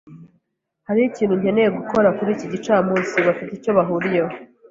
Hariho ikintu nkeneye gukora kuri iki gicamunsi. Bafite icyo bahuriyeho.